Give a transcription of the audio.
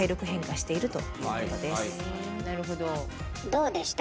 どうでした？